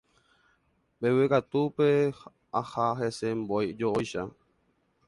Mbeguekatúpe aha hese mbói jo'óicha.